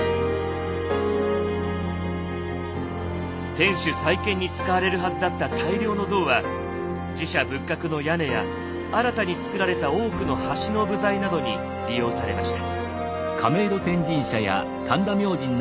天守再建に使われるはずだった大量の銅は寺社仏閣の屋根や新たに造られた多くの橋の部材などに利用されました。